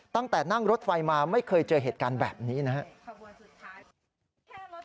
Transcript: ตั้งแต่นั่งรถไฟมาไม่เคยเจอเหตุการณ์แบบนี้นะครับ